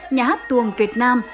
nhà hát tuồng việt nam